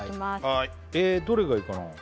はいどれがいいかな？